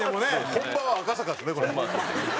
本場はそうですね。